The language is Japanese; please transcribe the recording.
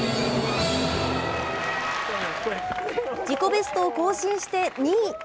自己ベストを更新して、２位。